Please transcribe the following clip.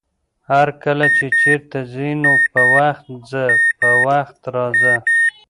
هرکله چې چېرته ځې نو په وخت ځه، په وخت راځه!